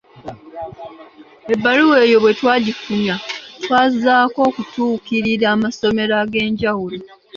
Ebbaluwa eyo bwe twagifunya, twazzaako okutuukirira amasomero ag’enjawulo.